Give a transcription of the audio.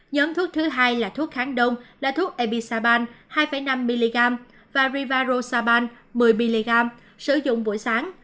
nhóm thuốc thứ hai là thuốc kháng đông là thuốc ebisaban hai năm mg và rivarosaban một mươi mg sử dụng buổi sáng